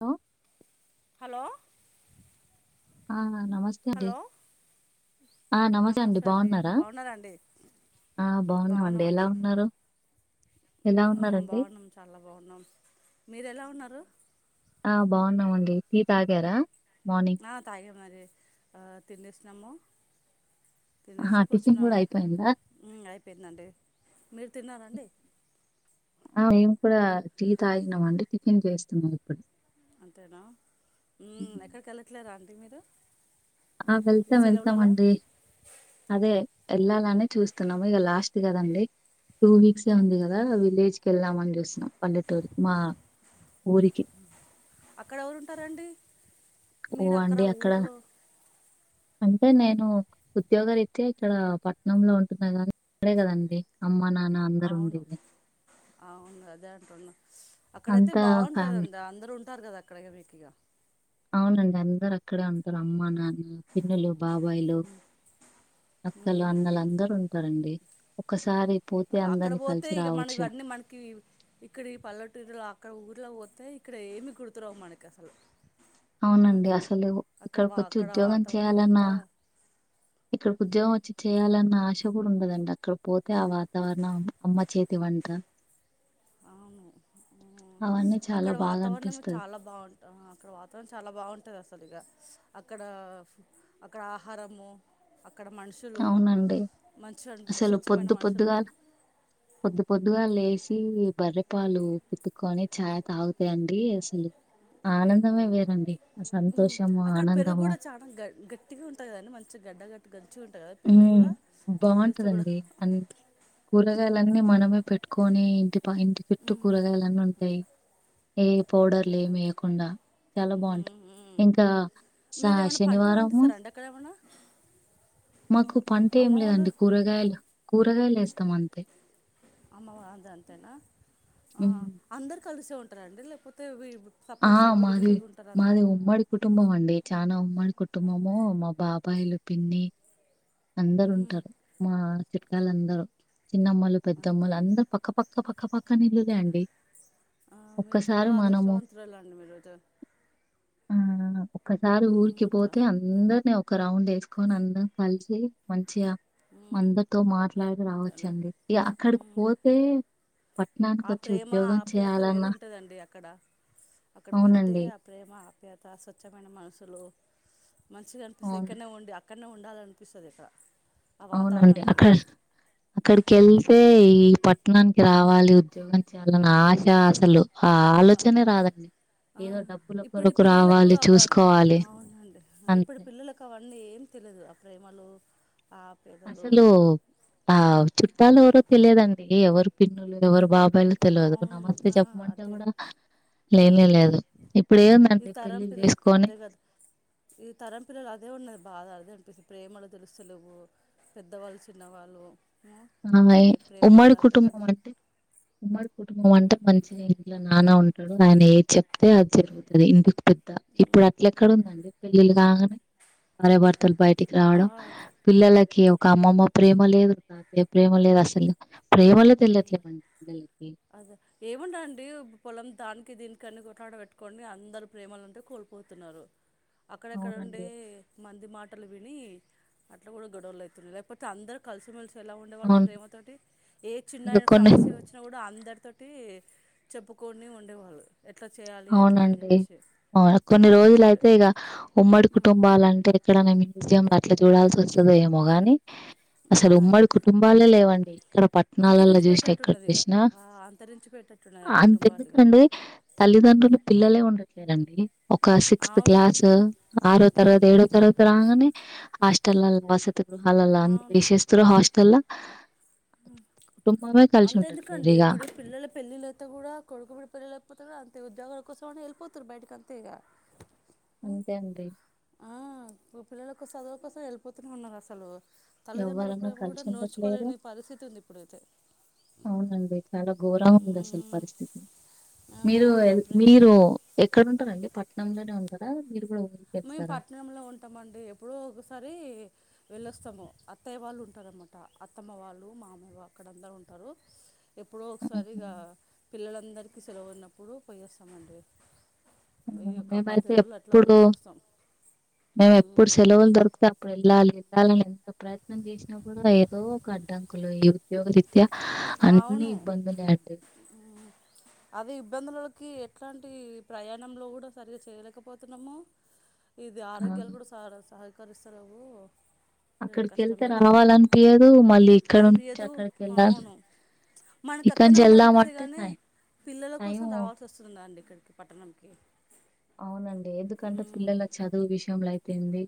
లో హలో ఆ నమస్తే అండి. హలో నమస్తే అండి బాగున్నారాండి ఆ ఎలా బాగున్నామండి ఉన్నారు? ఎలా ఉన్నారండి? బాగున్నాం చాలా బాగున్నాం మీరు ఎలా ఉ ఉన్నారు ఆ బాన్నామండి టీ తాగారా మార్నింగ్? ఆ తాగే మరి ఆ తినేసినాము ఆహా తినేసి టిఫిన్ కూర్చున్నాం కూడా అయిపోయిందా? హ్మ్ అయిపోయిందండి మీరు తిన్నారా అండి ఆ మేము కూడా టీ తాగినం అండి టిఫిన్ చేస్తున్నాం ఇప్పుడు అంతేనా హ్మ్ ఎక్కడికి వెళ్ళట్లేరా అం [unintelligible] మీద ఆ వెళ్తాం వెళ్తాం అండీ అదే వెళ్ళాలనే చూస్తున్నాము ఇగా లాస్ట్ కదండి టూ వీక్సే ఉంది అంతే కదా విలేజ్ కెల్దం అన్ జుస్తున్నాం పల్లెటూరికి మా ఊరికి అక్కడ ఎవరు ఉంటారండి ఓ మీడ అక్కడ అండి ఊళ్ళో అంటే నేను ఉద్యోగరీత ఇక్కడ పట్నంలో ఉంటున్నా కాగానీ అక్కడే కదండి అమ్మా అవును అవును అదే అంటున్నా అక్కడైతే అంతా ఫ్యామిలీ బాగుంటంది అందరుూ ఉంటారు కదా కడగ బెట్టి ఇగ అవునండి అందరు అక్కడే ఉంటారు అమ్మ నాన్న పిన్నలు బాబాయిలు అక్కలు అన్నలు ఉమ్ అందరుూ ఉంటారండి ఒకసారి అక్కడ పోతే ఇక మన ఇవన్నీ మనకి ఇక్కడ ఈ పల్లెటూరులో అక్కడ ఊర్లో పోతే అయితే ఇక్కడ ఏమీ గుర్తురావు మనకి అసలు అవునండి అసలు అక్కడ వా ఇక్కడికొచ్చి అక్కడ ఉద్యోగం వాతావరణం చేయాలన్నా అంతా ఇక్కడికి ఉద్యోగం వచ్చి ఉమ్ చేయాలన్న ఆశ [unintelligible] ఉండదండి అక్కడ పోతే ఆ వాతావరణం అమ్మ అమ్మ చేతి వంట అవును అవన్నీ చాలా అక్కడ బాగా వాతావరణము అనిపిస్తది. చాలా బాగుంట ఆ అక్కడ వాతావరణం చాలా బాగుంటది అసలు ఇగ అక్కడ అక్కడ ఆహారము అక్ అక్కడ మనుషులు అవునండి. మంచిగనిపిస్తారు, అసలు స్వచ్ఛమైన పొద్దు పొద్దుగాల మనుషులు, పొద్దు పొద్దుగాళ్ళేసి ఈ బర్రె పాలు పితుకొని చాయ తాగుతే అండి అసలు ఆనందమే మ్మ్ వేరండి ఆ మ్మ్ సంతోషము అక్కడ పెరుగు ఆనందము కూడా చాలా గద్ హ్మ్ కూడా బాగుంటదండి అన్ కూరగాయలన్నీ మనమే పెట్టుక్ కొనీ ఇంట్ ప ఇంటి చుట్టు మ్మ్ కూరగాయలన్నీ ఉంటయ్ ఏ పౌడర్లు ఏమి అంతేనండి వేయకుండా చాలా బాగుంటాయ్, మ్మ్, మ్మ్. ఇంకా సా మీరు ఏమైనా పంటలు శనివారము పండిస్తారండి అక్కడ ఏమైనా మాకు పంట అమ్మ ఏం వాళ్ళు లేదండి కూరగాయలు, కూరగాయలేస్తాం అంతే అమ్మవ అంద అంతేనా ఆ హ్మ్. అందరు కలిసే ఉంట రండి లేకపోతే ఆ సపరేట్ మాది విడివిడిగా ఉంటారు అందరు మాది ఉమ్మాడి కుటుంబం అండి చా చానా ఉమది కుటుంబము మా బాబ రూపాయలు పిన్ని అందరు మ్మ్, ఉంటారు మా చిట్కాలు అందరూ చిన్నమ్మలు అదే పెద్దమ్మలు అండి అందరు పక్క పక్క పక్క పక్క పక్కనల్లులే అండి ఆ మీరు ఒక్కసారి చాలా మనము అదృశవంతురాలుండి మీరోజు అ పసార ఊక పోతే అందర న ఒక రౌండ్ వేసుకొని అందం కలిసి మంచియా మ్మ్, అందరితో మాట్లాడి అంతే అండి రావచ్చండి అక్కడికి మ్మ్. పోతే ఆ పట్టణానికొచ్చి ప్రేమ ఉద్యోగం ఆప్యత చేయాలన్నా వేరుంటదండి అక్కడ అక్కడికి వెళ్తే అవునండి. ఆ ప్రేమ ఆ అ స్వచ్ఛమైన మనసు లో మంచిగా అనిపిస్తంది అవును. ఇక్కడనే ఉండి అక్కడనే ఉండాలనిపిస్తుంది ఇక్కడ ఆ అవునండి వాతావరణానికి అక్కడ అక్కడికి వెళ్తే ఈ పట్టణానికి రావాలి ఉద్యోగం చేయాలని ఆశ ఆశలు అవును ఆ ఏదో డబ్బుల ఇప్పటి కొరకు పిల్లలకు రావాలి అవి చూసుకోవాలి అవునండి ఇప్పటి అంతే పిల్లలకు అవన్నీ ఏం తెలిదు ప్రేమలు ఆ ఆప్యాయతలు అసలు ఆ చ తాలు ఎవరో తెలియదండి ఎవరు పిన్నులు ఎవరు బాబాయిలు తెలియదు అవును నమస్తే ఆ, చెప్పమంటే అదే కూడా ఆ, లేనే లేదు ఇప్పుడు ఈ ఏముందండి తరం పెళ్లి పిల్ల చేసుకొని అదే కదా ఈ తరం పిల్లలు అదే ఉన్నది బాధ అది అనిపిస్తుంది ప్రేమలు తెలుస్తలేవు పెద్దవాళ్ళు చిన్నవాళ్ళు హాయ్ అవి ఉమ్మడి కుటుంబ ప్రేమలు అంట ఉమ్మడి కుటుంబం అంటే మంచిగా ఇంట్లో నానా ఉంటు అయినా ఏ చెప్తే అది జరుగుతుంది ఇంటికి పెద్ద ఇప్పుడు అట్ల ఎక్కడ ఉందండి పళ్ళలు కారే వర్తలు పయ ఇటికి రావడం పిల్లలకి ఒక కామమ్మ ప్రేమ లేదు అ ప్రేమ లే అసలు ప్రేమలే తెలియట్లేవండి పిల్లలకి ఏముంట అండి పోలం దాని దీనికన్ని కొట్లాట పెట్టుకంని అందరు ప్రేమలుంటే కోల్పోతున్నారు అక్కడక్కడ ఉండే అవునండి మంది మా బట్టలు విని అట్లా కూడా గొడవలు అవుతుయి లేకపోతే అందరు కలిసి మలిసి ఎలా ఉండేవాళ్ళం అవును ప్రేమ తోటి ఏ చిన్న ఇంక కొన్ని సమస్య వచ్చినా కూడా అందరి తోటి చెప్పుకొని ఉండేవాళ్ళు ఎట్లా చేయాలి ఎట్లా అని అవునండి చెప్పేసి అవును కొన్ని రోజుల బాగుంటుండే అయితే ఇక ఉమ్మడి కుటుంబాల అంటే ఎక్కడనే జం అట్లా చూడాల స వస్తుస్త ఏ మగానీ ఆ, అసలు ఉమ్మడి కుటుంబాలే లేవండి ఇక్కడ పట్టణాలలో అంతరించి చూసినా ఎక్కడ పెటట్టున్నది ఇక చూసినా అంతరించి పెటేట్టున్నది ఆ కుటుంబాలుగా అంతెందుకండి తల్లిదండ్రులు పిల్లలే ఉండట్లేదండి ఒక సిక్స్త్ అవును క్లాస్ ఆరో తరగతి ఏడో తరగతి రాగానే హాస్టెల్ అల్ వస హల్ అంద విస్త హస్ అల అంత ఎందుకండి ఇగ ఇప్పుడు పిల్లల పెళ్ళిలయి కూడా కొడుకుబడి పపోత అంతే ఉద్యో కోసం వెళ్పోతతుారు బయట అంత ఇగ అంతే అండి పిల్లలలకు చదువు కోసం వెళ్ళిపోతుూ ఉన్నారు అసలు తల్లిదండ్రుల ఎవ్వరన్నా ప్రేమ కూడా కలిసి ఉండట్లేరు నోచుకోలేని పరిస్థితి ఉంది ఇప్పుడుయితే ఘోరం ఉంది అసలు పరిస్థితి ఆ, మీరు అప్పుడే మీరు ఎక్కడంటార అండి ప నమ్నే ఉంటరాారురుగు మేము పట్టణంలో ఉంటామండి ఎప్పుడ ఒకసారి వెళ్ళొస్తాము అత్తయ్య వాళ్ళు ఉంటారన్నమాట అత్తమ్మ వాళ్ళు మా అమయ్య అక్కడందరూ ఉంటారు ఎప్పుడో ఒకసారి ఆహా! ఇ పిల్లలందరిక కలో ఉన్నప్పుడు పోయేస్తామండి ఉమ్ మేమైతే ఎప్పుడు వస్తాం మేము ఎప్పుడు ఉమ్, సెలవులు దొరుకుతే అప్పుడు వెళ్ళాలి ఉడాలని ఎంత ప్రయత్నం చేసినా కూడా ఏదో ఒక అడ్డంకులు ఈ ఉద్యోగ అవును అది ఇబ్బందులలకి ఎ అట్లాంటి ప్రయాణంలో కూడా సరిగ్గా చేయలేకపోతున్నాము ఇది ఆ ఆరోగ్యాలు కూడా సహ సహ కరుస్తా నవ్వు అక్కడికి వెళ్తే రావాలనిపయదు మళ్ళీ ఇక్కడ నుంచి అక్కడికి వెళ్ళాలి మనక ఇక్కడ అక్కడ నుంచి ఉండాల అనిపిస్తే వెళ్దామంటే గాని టైం పిల్లల టైం కోసం రావాల్సి వస్తుంది రాండి ఇక్కడికి పట్టణంకి అవునండి ఎందుకంటే ఉమ్, పిల్లల చదువు విషయంలో అయితేంది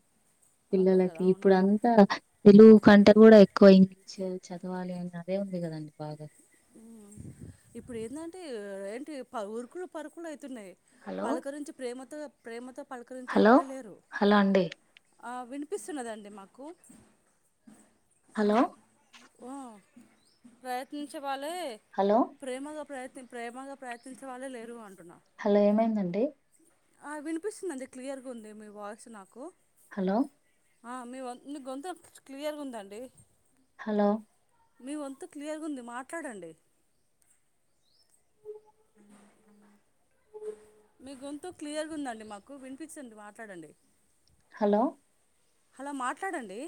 అదే పిల్లలకి కదా ఇప్పుడు అవునండి అంతా తెలుగు కంటే కూడా ఎక్కువ ఇంగ్లీష్ చదవాలి అండి అదే కదండి బాగా ఇప్పుడు ఏందంటే ఆ ప ఉ ఉరుకులు పరుకులు అయిత్ తున్నాయి హలో పలకరించి ప్రేమతో ప్రేమతో పలకరించే హలో వాళ్ళే లేరు హలో అండి ఆ వినిపిస్తున్నదండి మాకు హలో ప్రయత్నించేవాళ్లు లే హలో ప్రేమగా ప్రయత్ ప్రేమగా ప్రయత్నిే వాళ్ళే లేరు అంట హలో ఏమైందండి ఆ వినిపిస్తుందిండి క్లియర్గా ఉంది మీ వాయిస్ నాకు హలో ఆ మీ మీ గొంతు క్లియర్గా ఉందండి హలో మీ వంతు క్లియర్గా ఉంది మాట్లాడండి అని అ మీ గొంతు క్లియర్గా ఉందండి మాకు వినిపించింది మాట్లాడండి హలో హలో మాట్లాడండి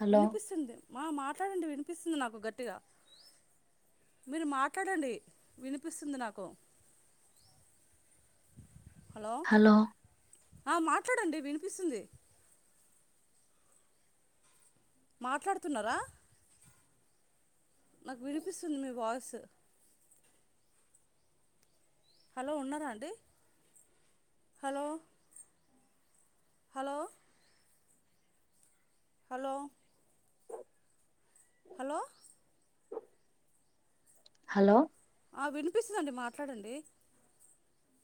హలో వినిపిస్తుంది మా మాట్లాడండి వినిపిస్తుంది నాకు గట్టిగా మీరు మాట్లాడండి వినిపిస్తుంది నాకు హలో ఆ మాట్లాడండి వినిపిస్తుంది మాట్లాడుతున్నారా నాకు వినిపిస్తుంది మీ వాయిసు హలో ఉన్నరా అండి hello hello hello hello hello ఆ వినిపిస్తదండి మాట్లాడండి